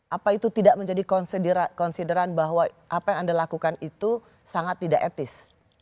apa itu tidak menjadi konsideran bahwa apa yang anda lakukan itu sangat tidak etis